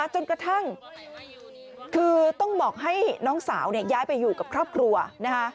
จนกระทั่งคือต้องบอกให้น้องสาวย้ายไปอยู่กับครอบครัวนะคะ